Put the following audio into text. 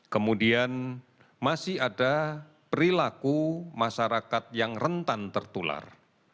kemudian masih ada perilaku masyarakat yang rentan tertular